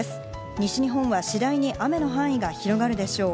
西日本は次第に雨の範囲が広がるでしょう。